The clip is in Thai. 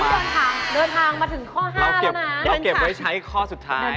เดินทางเดินทางมาถึงข้อห้าแล้วนะเราเก็บเราเก็บไว้ใช้ข้อสุดท้าย